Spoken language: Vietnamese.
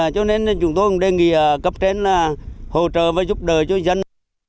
cho nên chúng tôi cũng đề nghị cấp trên là hỗ trợ và giúp đỡ cho dân